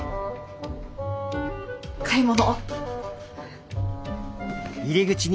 買い物。